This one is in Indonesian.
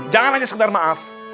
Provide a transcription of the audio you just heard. jangan aja sekedar maaf